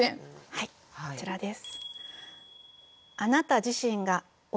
はいこちらです。